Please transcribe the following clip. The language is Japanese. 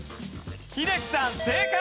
英樹さん正解！